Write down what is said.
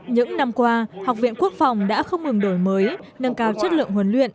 những năm qua học viện quốc phòng đã không ngừng đổi mới nâng cao chất lượng huấn luyện